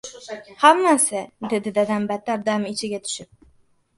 — Hammasi, — dedi dadam battar dami ichiga tushib.